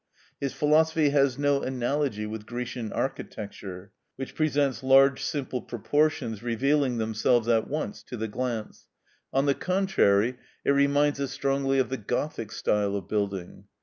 His philosophy has no analogy with Grecian architecture, which presents large simple proportions revealing themselves at once to the glance; on the contrary, it reminds us strongly of the Gothic style of building.